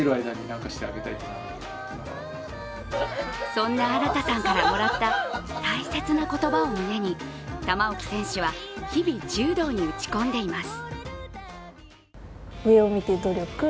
そんな新さんからもらった大切な言葉を胸に玉置選手は日々、柔道に打ち込んでいます。